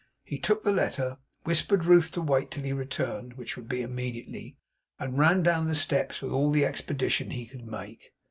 He took the letter; whispered Ruth to wait till he returned, which would be immediately; and ran down the steps with all the expedition he could make.